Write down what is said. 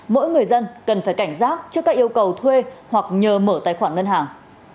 mỗi người dân cần phải cảnh giác trước các yêu cầu thuê hoặc nhờ mở tài khoản ngân hàng